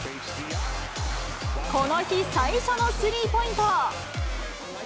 この日最初のスリーポイント。